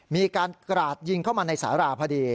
มีการกราดยิงเข้ามาในสาราพอดี